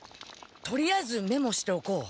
とりあえずメモしておこう。